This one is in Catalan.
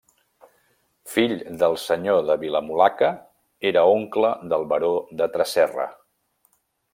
Fill del senyor de Vilamulaca, era oncle del baró de Tresserra.